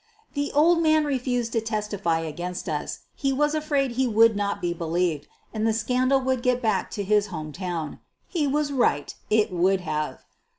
The old man refused to testify against us. He was afraid he would not be believed and the scandal would get back to his home town. He was right ; it would have.